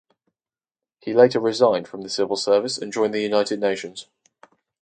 He later resigned from civil service and joined the United Nations.